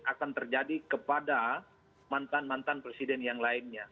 akan terjadi kepada mantan mantan presiden yang lainnya